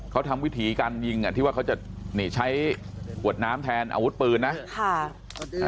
เขาทำวิถีการยิงที่ว่าเขาจะใช้ขวดน้ำแทนอาวุธปืนนะ